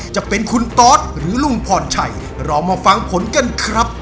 จะเป็นคุณตอสหรือลุงพรชัยเรามาฟังผลกันครับ